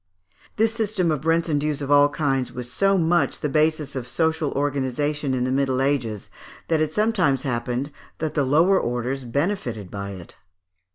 This system of rents and dues of all kinds was so much the basis of social organization in the Middle Ages, that it sometimes happened that the lower orders benefited by it.